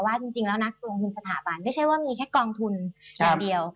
ว่าจริงแล้วนักลงทุนสถาบันไม่ใช่ว่ามีแค่กองทุนอย่างเดียว